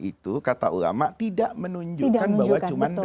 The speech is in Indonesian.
sembilan puluh sembilan itu kata ulama tidak menunjukkan bahwa cuman